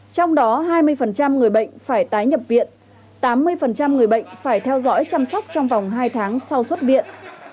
trong đó hai mươi người bệnh phải tái nhập viện tám mươi người bệnh phải theo dõi chăm sóc trong vòng hai tháng sau xuất viện